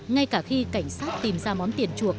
ngay cả khi cảnh sát tìm ra món tiền chuộc